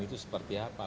itu seperti apa